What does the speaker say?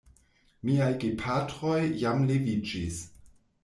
Miaj gepatroj jam leviĝis.